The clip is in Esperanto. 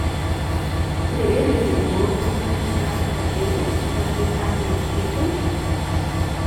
Kredeble vi bonvolos trinki tason da teo, manĝetante biskviton?